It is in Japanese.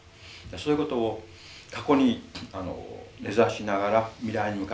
そういうことを過去に根ざしながら未来に向かって考えていく。